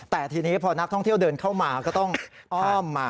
แต่ทีนี้พอนักท่องเที่ยวเดินเข้ามาก็ต้องอ้อมมา